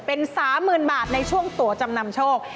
เป็น๓๐๐๐บาทในช่วงตัวจำนำโชค